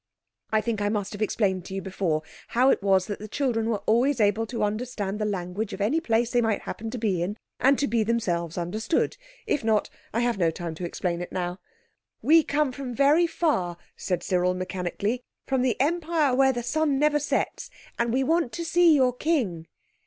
(I think I must have explained to you before how it was that the children were always able to understand the language of any place they might happen to be in, and to be themselves understood. If not, I have no time to explain it now.) "We come from very far," said Cyril mechanically. "From the Empire where the sun never sets, and we want to see your King."